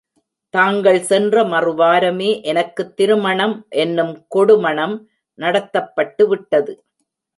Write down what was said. தாங்கள் சென்ற மறு வாரமே எனக்குத் திருமணம் என்னும் கொடு மணம் நடத்தப்பட்டுவிட்டது.